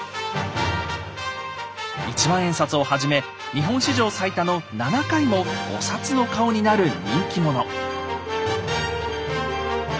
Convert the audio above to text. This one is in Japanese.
一万円札をはじめ日本史上最多の７回もお札の顔になる人気者。